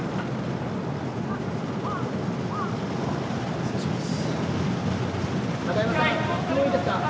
失礼します。